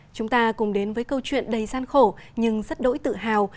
chúng ta cùng đến với câu chuyện đầy gian khổ nhưng rất đỗi tự hào